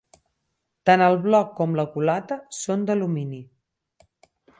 Tant el bloc com la culata són d'alumini.